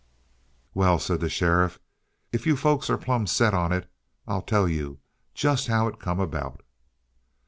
"Well," said the sheriff, "if you folks are plumb set on it, I'll tell you just how it come about."